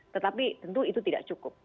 tetapi tentu itu tidak cukup